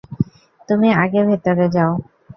তুমি আগে ভেতরে যাও।